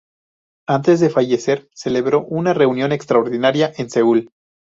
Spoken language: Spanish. Antes de fallecer celebró una reunión extraordinaria en Seúl.